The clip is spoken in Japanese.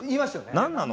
何なの？